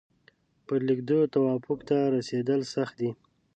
پر لیکدود توافق ته رسېدل سخت دي.